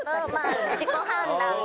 自己判断で。